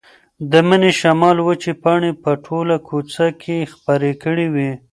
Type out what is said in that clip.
د مني شمال وچې پاڼې په ټوله کوڅه کې خپرې کړې وې.